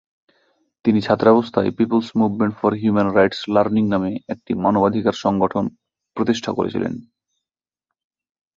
তিনি ছাত্রাবস্থায় People's Movement for Human Rights Learning নামে একটি মানবাধিকার সংগঠন প্রতিষ্ঠা করেছিলেন।